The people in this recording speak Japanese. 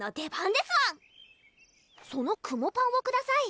そのくもパンをください！